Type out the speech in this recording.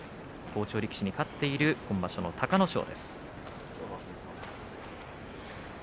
好調力士に勝っている今場所の隆の勝です。